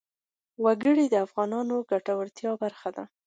وګړي د افغانانو د ګټورتیا برخه ده.